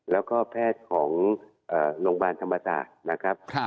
แล้วก็แพทย์ของโรงพยาบาลธรรมศาสตร์นะครับ